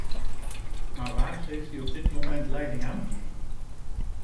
Maar waar geeft u op dit moment leiding aan?